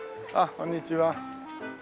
こんにちは。